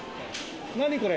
何これ？